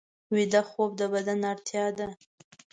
ویده خوب د بدن اړتیا ده